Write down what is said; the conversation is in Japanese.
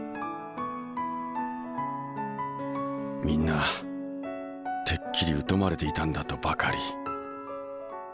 みんなてっきり疎まれていたんだとばかり。